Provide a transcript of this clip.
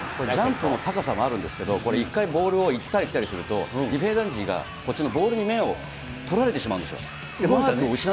の高さもあるんですけど、一回ボールを行ったり来たりするとディフェンダー陣が、こっちのボールに目を取られてしまうんですよ。